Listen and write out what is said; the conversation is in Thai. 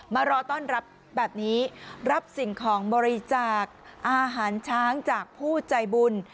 มารอต้อนรับแบบนี้รับสิ่งของบริจาคอาหารช้างจากผู้ใจบุญ